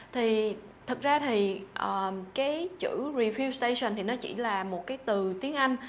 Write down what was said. thì thật ra thì cái chữ refield station thì nó chỉ là một cái từ tiếng anh